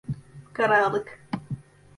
Fıkaralık…